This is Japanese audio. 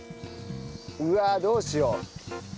うわどうしよう。